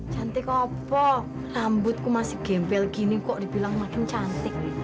cantik kopok rambutku masih gempel gini kok dibilang makin cantik